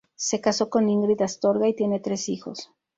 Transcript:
Se casó con Ingrid Astorga y tienen tres hijos.